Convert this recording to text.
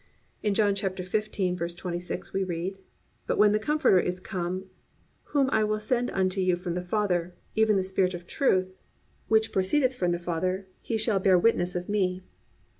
"+ In John 15:26 we read: +"But when the Comforter is come, whom I will send unto you from the Father, even the Spirit of Truth, which proceedeth from the Father, he shall bear witness of me."